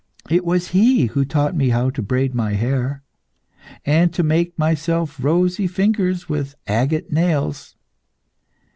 It was he who taught me how to braid my hair, and to make for myself rosy fingers with agate nails.